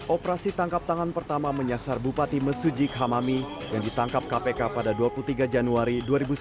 operasi tangkap tangan pertama menyasar bupati mesuji khamami yang ditangkap kpk pada dua puluh tiga januari dua ribu sembilan belas